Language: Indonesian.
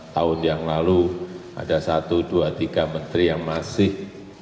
tahun yang lalu ada satu dua tiga menteri yang masih